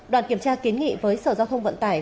đoàn kiểm tra kiến nghị với sở giao thông vận tải